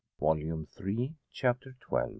Volume Three, Chapter XII.